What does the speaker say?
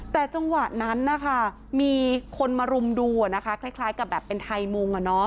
แต่จังหวะนั้นนะคะมีคนมารุมดูคล้ายกับแบบเป็นไทยมุง